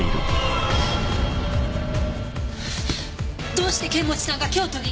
どうして剣持さんが京都に？